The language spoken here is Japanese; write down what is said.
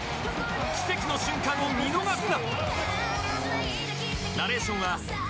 奇跡の瞬間を見逃すな。